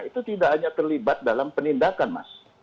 itu tidak hanya terlibat dalam penindakan mas